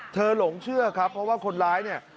หลงเชื่อครับเพราะว่าคนร้ายเนี่ย